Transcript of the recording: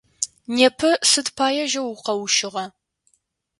Непэ сыд пае жьэу укъэущыгъа?